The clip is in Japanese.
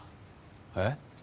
えっ？